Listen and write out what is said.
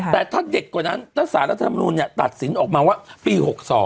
แต่ถ้าเด็ดกว่านั้นถ้าสารรัฐธรรมนุนตัดสินออกมาว่าปี๖๒